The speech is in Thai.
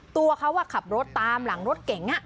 ตัวเขาขับรถตามหลังรถเก๋ง